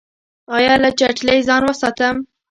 ایا له چټلۍ ځان وساتم؟